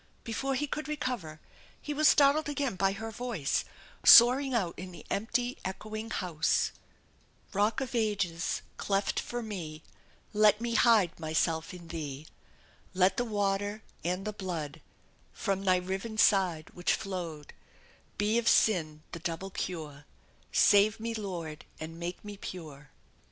Before he could recover, he was startled again by her voice soaring out in the empty echoing house: Rock of ages, cleft for me, Let me hide myself in Thee; Let the water and the blood From Thy riven side which flowed, Be of sin the double cure, Save me Lord and make me pure!